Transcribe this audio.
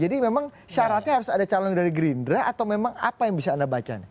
jadi memang syaratnya harus ada calon dari gerindra atau memang apa yang bisa anda baca